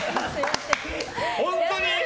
本当に？